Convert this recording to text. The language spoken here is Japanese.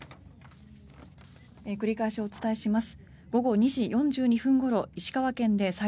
繰り返しお伝えします。